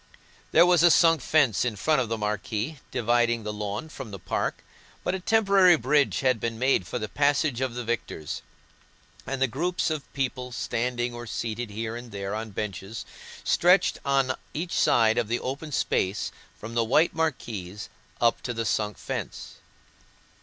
There was a sunk fence in front of the marquee, dividing the lawn from the park, but a temporary bridge had been made for the passage of the victors, and the groups of people standing, or seated here and there on benches, stretched on each side of the open space from the white marquees up to the sunk fence.